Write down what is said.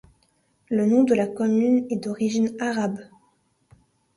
Le nom de la commune est d'origine arabe.